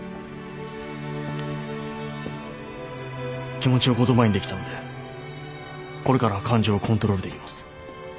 気持ちを言葉にできたのでこれからは感情をコントロールできます。